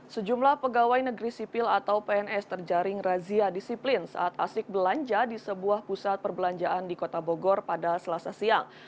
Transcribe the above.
sejumlah pegawai negeri sipil atau pns terjaring razia disiplin saat asik belanja di sebuah pusat perbelanjaan di kota bogor pada selasa siang